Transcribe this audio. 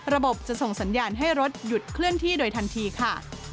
ระบบจะส่งสัญญาณให้รถหยุดเคลื่อนที่โดยทันทีค่ะ